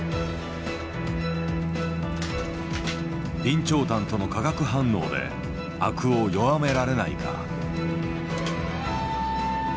備長炭との化学反応でアクを弱められないか。